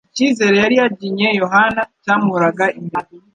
Icyizere yari yaginye Yohana cyamuhoraga imbere.